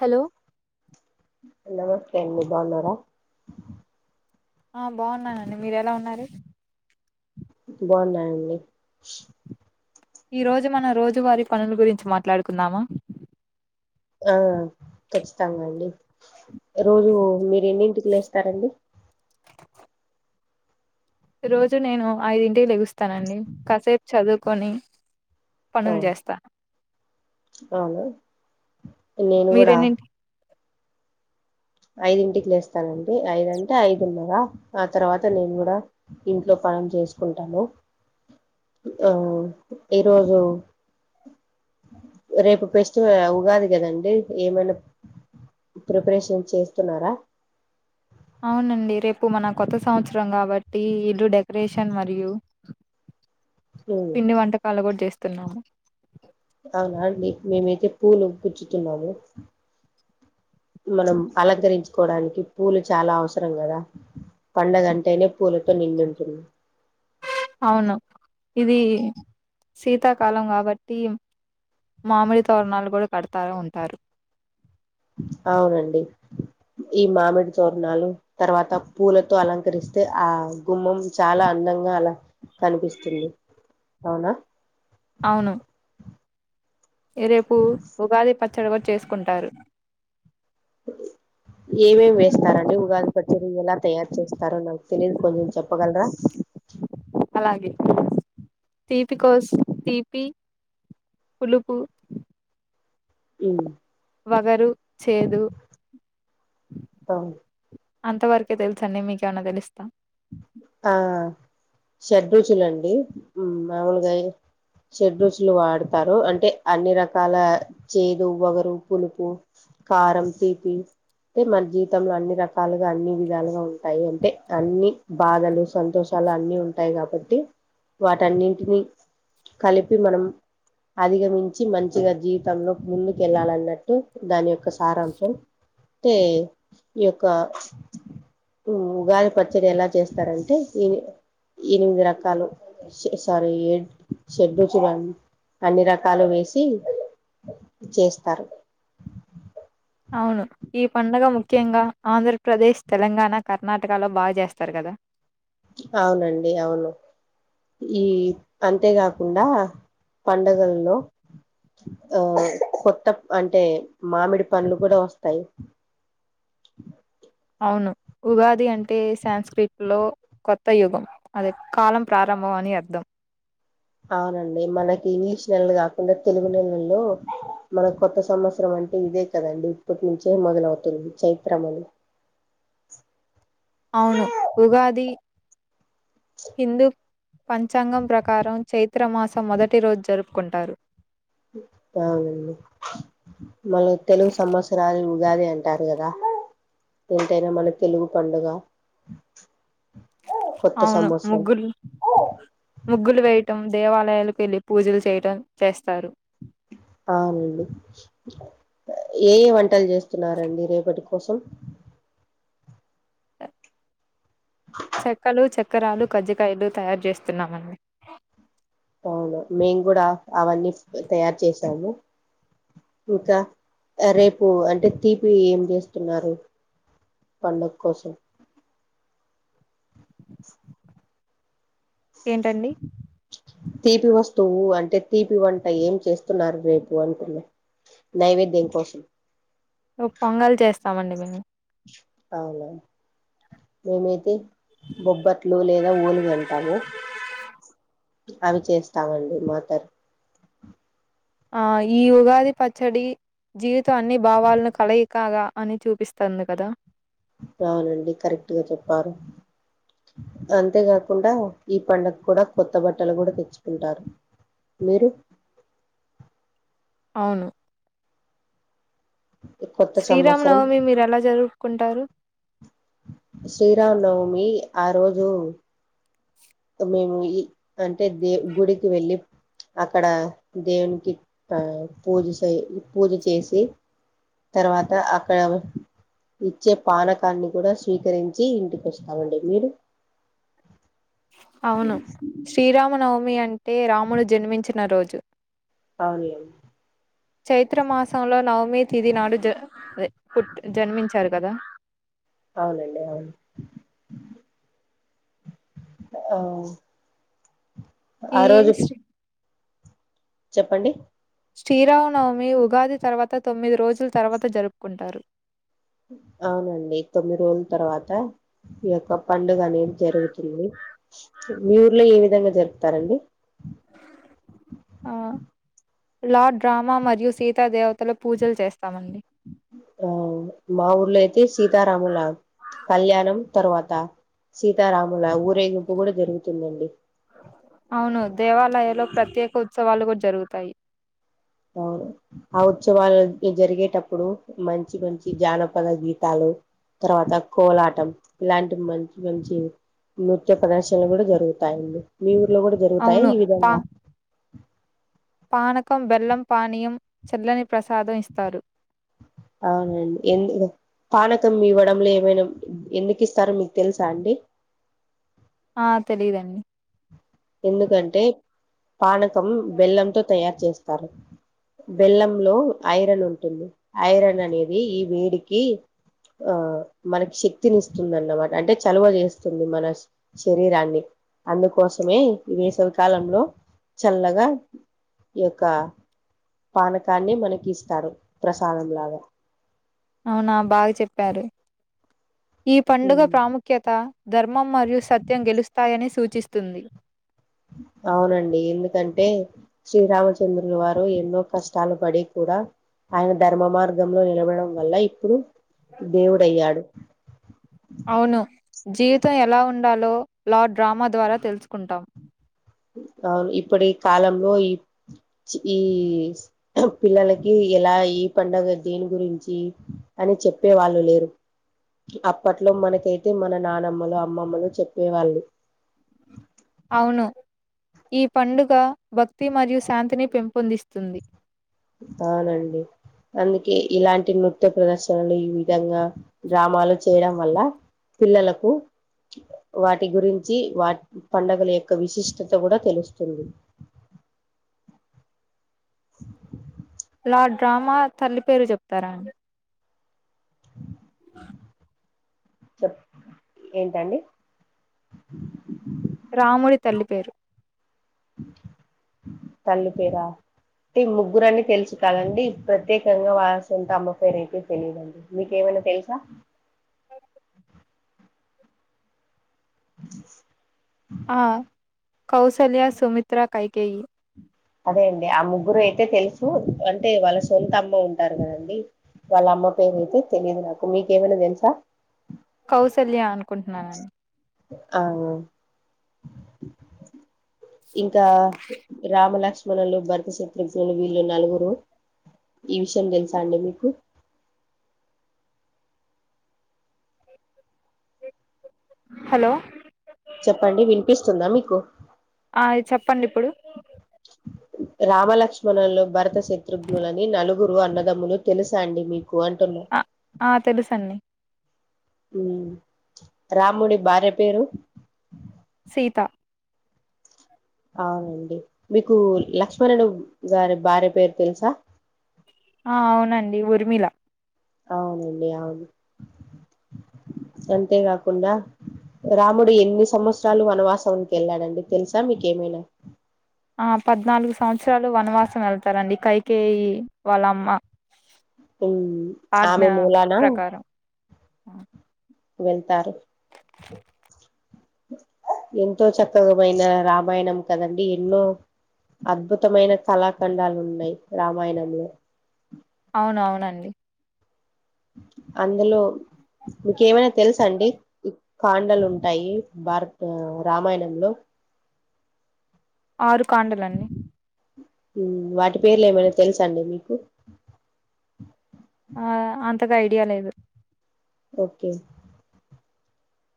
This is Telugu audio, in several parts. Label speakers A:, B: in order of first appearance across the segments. A: హలో
B: నమస్తే అండి బాగునరా
A: ఆ బావున్నానండి మీరు ఎలా ఉన్నారు
B: బాగున్నా అండి
A: ఈ రోజు మన రోజువారి పనుల గురించి మాట్లాడుకుందామా
B: ఆ ఖచ్చితంగా అండి రోజు మీరు ఎన్నింటిక్ లేస్తారండి
A: రోజు నేను ఐదింటికి లెగుస్తానండి కాసేప్ చదువుకొని
B: ఆ
A: పనులు చేస్తా
B: అవును నేను కూడ
A: మీరేన్నింటి
B: ఐదింటికి లేస్తానండి ఐదంటే ఐదునర ఆ తర్వాత నేను కూడ ఇంట్లో పనులు చేసుకుంటాను ఆ ఈరోజు రేపు ఫెస్టివల్ ఉగాది కదండి ఏమైనా ప్రిపరేషన్ చేస్తున్నార
A: అవునండి రేపు మన కొత్త సంవత్సరం కాబట్టి ఇల్లు డెక్రేషన్ మరియు
B: ఉమ్,
A: పిండివంటకాలు కూడ చేస్ తిన్నావ
B: అవునా అండి మేమైతే పూలు గుచ్చుతున్నాము మనం అలంకరించుకోవడానికి పూలు చాలా అవసరం కదా పండగంటేనే పూలతో నిండి ఉంటుంది
A: అవును ఇది శీతాకాలం కాబట్టి మామిడి తోరణాలు కూడా కడతా ఉంటారు
B: అవునండి ఈ మామిడి తోరణాలు తర్వాత పూలతో అలంకరిస్తే ఆ గుమ్మం చాలా అందంగా అలా కనిపిస్తుంది అవున
A: అవును ఏ రేపు ఉగాది పచ్ చ్చడి కూడ చేసుకుంటారు
B: ఏమేమి వేస్తారంండి ఉగాది పచ్చడి ఎలా తయారు చేస్తారో నాకు తెలియదు కొంచెం చెప్పగలరా
A: అలాగే తీపి కోసం తీపి పులుపు
B: ఉమ్
A: వగరు చేదు
B: అవును
A: అంతవర్కే తెలుసండి మీకేమైన తెలుసా
B: ఆ షడ్బుజులు అండి మామూలుగా షడ్ రుచులు వాడతారు అంటే అన్ని రకాల చేదు వగరు పులుపు కారం తీపి అంటే మన జీవితంలో అన్ని రకాలుగా అన్ని విధాలుగా ఉంటాయి అంటే అన్ని బాధలు సంతోషాలన్నీ ఉంటాయి కాబట్టి వాటన్నింటినీ కలిపి మనం అధిగమించిమంచిగా జీవితంలో ముందుకెళ్ళాలి అన్నట్టు దాని యొక్క సారాంశం అంటే ఈ యొక్క ఉగాది పచ్చడి ఎలా చేస్తారంటే ఎనిమిది రకాలు షడ్ రుచులు అన్ని రకాలు వేసి చేస్తారు
A: అవును ఈ పండగ ముఖ్యంగ ఆంధ్రప్రదేశ్ తెలంగాణ కర్ణాటకలో బాగ చేస్తారు కదా
B: అవునండి అవును ఈ అంతేకాకుండ పండగల్లో ఆ కొత్త అంటే మామిడి పండ్లు కూడ వస్తాయి
A: అవును ఉగాది అంటే సాన్స్క్రిట్ లో కొత్త యుగం అది కాలం ప్రారంభం అని అర్థం
B: అవునండి మనకి ఇంగ్లీష్ నెలలు కాకుండ తెలుగు నెలల్లో మన కొత్త సంవత్సరం అంటే ఇదే కదండి ఇప్పటి నుంచే మొదలవుతుంది చైత్రములు
A: అవును ఉగాది హిందు పంచాంగం ప్రకారం చైత్ర మాసం మొదటి రోజ్ జరుపుకుంటారు
B: బాగుందండి మన తెలుగు సంవత్సరాాలలో ఉగాది అంటారు కదా ఏంటైనా మన తెలుగు పండుగ కొత్త
A: అవును
B: సంవత్సరం
A: ముగ్గుల్ ముగ్గులు వేయటం దేవా [unintelligible] పూజలు చేయడం చేస్తారు
B: అవునండి ఏ ఏవంటలు చేస్ స్తున్నారండి రేపటిక్ స్పెషల్
A: చక్రాలు కజ్జియలు తయారు చేస్తున్నామండి
B: అవును మేమ్ కూడ అవన్నీ తయారు చేసాము ఇంకా రేపు అంటే తీపి ఏం చేస్తున్నారు పండగ కోసం
A: ఏంటండి
B: తీపి వస్తువు అంటే తీపి వంట ఏం చేస్తున్నారు రేపు అంటున్నా నైవేద్యమ్ కోసం
A: స్తామండి మేము
B: అవును మేమైతే బొబ్బట్లు లేదా ఓలిగి అంటాము అవి చేస్తామండి మాతరు
A: ఆ ఈ ఉగాది పచ్చడి జీవితం అన్ని భావాలను కలయికగా అని చూపిస్తంది కదా
B: అవునండి కరెక్ట్గా చెప్పారు అంతేకాకుండా ఈ పండగ కూడా కొత్త బట్టలు కూడా తెచ్చుకుంటారు. మీరు
A: అవును
B: కొత్త
A: శ్రీరామ
B: సంవత్సరం
A: నవమి మీరు ఎలా జరుపుకుంటారు?
B: శ్రీరామనవమి ఆ రోజు మేము ఈ అంటే దే గుడికి వెళ్ళి అక్కడ దేవునికి ఆ పూజ చె పూజ చేసి తర్వాత అక్కడ ఇచ్చే పానకాన్ని కూడా స్వీకరించి ఇంటికి వస్తామండి మీరు
A: అవును శ్రీరామ నవమి అం అంటే రాముడు జన్మించిన రోజు
B: అవునే
A: చైత్ర మాసంలో నవమి తిథి నాడు జ పుట్ జన్మించారు కదా
B: అవునండి అవును ఆ ఆ
A: ఈ
B: రోజు
A: శ్రీ
B: చెప్పండి
A: శ్రీరామనవమి ఉగాది తర్వాత తొమ్మిది రోజుల తర్వాత జరుపుకుంటారు.
B: అవునండి తొమ్మిది రోజుల తర్వాత ఈ యొక్క పండుగ అనేది జరుగుతుంది. మీ ఊర్లో ఏ విధంగా జరుపుతారండి.
A: ఆ లార్డ్ రామా మరియు సీతా దేవతల పూజలు చేస్తామండి.
B: ఆ మా ఊర్లో అయితే సీతారాముల కళ్యాణం తర్వాత సీతారాముల ఊరేగింపు కూడా జరుగుతుందండి.
A: అవును దేవాలయలో ప్రత్యేక ఉత్స్ ఉత్సవాలు కూడా జరుగుతాయి
B: అవును ఆ ఉత్సవాలు జరిగేటప్పుడు మంచి మంచి జానపద గీతాలు తర్వాత కోలాటం ఇలాంటి మంచి మంచి నృత్య ప్రదర్శనలు కూడా జరుగుతాయండి మీ ఊ రు లో కూడా జరుగుతాయా
A: అవును
B: ఈ
A: పా
B: విధంగా
A: పానకం బెల్లం పానీయం చల్లని ప్రసాదం ఇస్తారు.
B: అవునండి ఎందు పానకం ఇవ్వడంలో ఏమైనా ఎందుకు ఇస్తారో మీకు తెలుసా అండి?
A: ఆ తెలీదండి
B: ఎందుకంటే పానకం బెల్లంతో తయారు చేస్ చేస్తారు బెల్లంలో ఐరన్ ఉంటుంది. ఐరన్ అనేది ఈ వేడికి ఆ మనకి శక్తిని ఇస్తుందిన్నమాట అంటే చలువ చేస్తుంది మన శరీరాన్ని అందుకోసం మే ఈ వేసవి కాలంలో చల్లగా ఈ యొక్క పానకాన్ని మనకిస్తారు ప్రసాదంలాగా
A: అవునా బాగా చెప్పారు ఈ పండుగ ప్రాముఖ్యత ధర్మం మరియు సత్యం గెలుస్తాయని సూచిస్తుంది.
B: అవునండి ఎందుకంటే శ్రీరామచంద్రులు వారు ఎన్నో కష్టాలు పడి కూడా ఆయన ధర్మ మార్గంలో నిలవడం వల్ల ఇప్పుడు దేవుడయ్యాడు
A: అవును జీవితం ఎలా ఉండాలో లా డ్రామా ద్వారా తెలుసుకుంటాం.
B: అవును ఇప్పటి ఈ కాలంలో ఈ ఈ పిల్లలకి ఎలా ఈ పండుగ దీని గురించి అని చెప్పే వాళ్ళు లేరు అప్పట్లో మనకైతే మన నానమ్మలు అమ్మమ్మలు చెప్పేవాళ్ళు.
A: అవును ఈ పండుగ భక్తి మరియు శాంతిని పెంపొందిస్తుంది.
B: అవునండి అందుకే ఇలాంటి నృత్య ప్రదర్శనలు ఈ విధంగా డ్రామాలు చేయడం వల్ల పిల్లలకు వాటి గురించి వాటి వాట్ పడగల యొక్క విశిష్టత కూడా తెలుస్తుంది
A: లాడ్ డ్రామా తల్లి పేరు చెప్తారా అండి
B: చెప్ ఏంటండి
A: రాముడి తల్లిపేరు
B: తల్లి పేరా అంటే ముగ్గురండి తెలుసు కాదండి ప్రత్యేకంగా వాల్ సొంత అమ్మ పేరు అయితే తెలియ్ దండి మీకేమైనా తెలుసా
A: ఆ కౌసల్య సుమిత్రా కైకేయి
B: అదే అండి ఆ ముగ్గురు అయితే తెలుసు అంటే వాళ్ళ సొంత అమ్మ ఉంటారు కదండి వాళ్ళ అమ్మ పేరు అయితే తెలియదు నాకు మీకేమైనా తెలుసా
A: కౌసల్యా యను కుంటునన్
B: అవున్ ఇంకా రామలక్ష్మణులు భరత శత్రుఘ్నులు వీళ్ళు నలుగురు ఈ విషయం తెలుసా అండి మీకు
A: హలో
B: చెప్పండి వినిపిస్తుందా మీకు
A: ఆ ఈ చెప్పండి ఇప్పుడు
B: రామలక్ష్మణంలో భరత శత్రుఘ్నులని నలుగురు అన్నదమ్ములు తెలుసా అండి మీ
A: ఆ ఆ తెలుసు అండి
B: ఉమ్ రాముడి భార్య పేరు
A: సీతా
B: అవునండి మీకు లక్ష్మణడు గారి భార్య పేరు తెలుసా
A: ఆ అవునండి ఉరిమిల
B: అవునండి అవును అంతేకాకుండా రాముడు ఎన్ని సంమత్సరాలు వనవాసానికి వెళ్ళాదండి తెలుసా మీకేమైనా
A: ఆ పద్నాలుగు సంవత్సరాలు వనవాసం వెళ్తారండి కైకేయి వాళ్ళమ్మ
B: ఉమ్ ఆమె మూలనా
A: ఆ [inaudible]
B: వెళ్తారు ఎంతో చక్కగామైన రామాయణం కదండి ఎన్నో అద్భుతమైన కళాఖండాలు ఉన్నాయి రామాయణంలో
A: అవును అవునండి
B: అందులో మీకు ఏమైనా తెలుసా అండి కాండలు ఉంటాయి భారత్ రామాయణంలో
A: ఆరు కాండలన్నీ
B: ఉమ్ వాటి పేర్లు ఏమైనా తెలుస అండి మీకు
A: అంతగ ఐడియా లేదు
B: ఓకే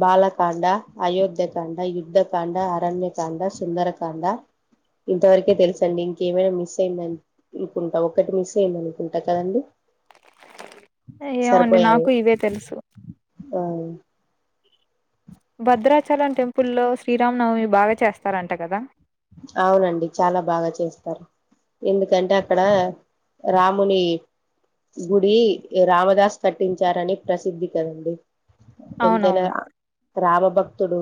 B: బాలకాండ అయోధ్యకాండ యుద్ధకాండ అరణ్యకాండ సుందరకాండ ఇంతవరకే తెలుసండి ఇంకేమైనా మిస్ అయింద అనుకుంటా ఒకటి మిస్ అయింద అనుకుంటా కదండి
A: యేవోండి నాకు ఇవే తెలుసు
B: అవున
A: భద్రాచలం టెంపుల్లో శ్రీరామనవమి బాగా చేస్తారంట కదా
B: అవునండి చాలా బాగా చేస్తారు ఎందుకంటే అక్కడ రాముని గుడి రామదాస్ కట్టించారని ప్రసిద్ధి కదండి ఎంతేనా
A: అవునవును
B: ఆ రామ భక్తుడు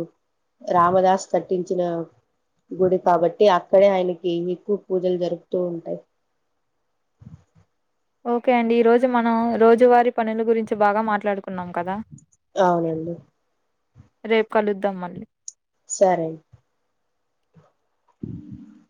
B: రామదాస్ కట్టించిన గుడి కాబట్టి అక్కడే ఆయనకి ఎక్కువ పూజలు జరుపుతూ ఉంటాయి
A: ఓకే అండి ఈ రోజు మనం రోజు వారి పనుల గురించి బాగా మాట్లాడక్ కున్నాం కదా
B: అవునండి
A: రేపు కలుద్దాం మళ్ళీ
B: సరే [inaudible]